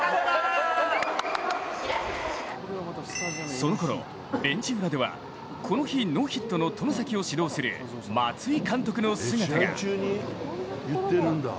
そのころ、ベンチ裏ではこの日ノーヒットの外崎を指導する松井監督の姿が。